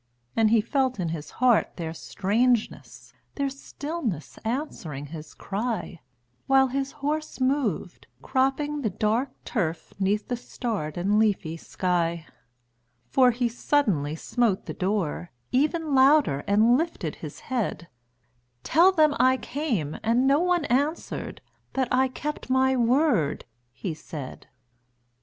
And he felt in his heart their strangeness, Their stillness answering his cry, While his horse moved, cropping the dark turf, 'Neath the starred and leafy sky; For he suddenly smote the door, even Louder, and lifted his head: "Tell them I came, and no one answered, That I kept my word," he said.